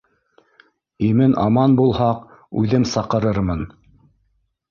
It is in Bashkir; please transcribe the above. — Имен-аман булһаҡ, үҙем саҡырыр мын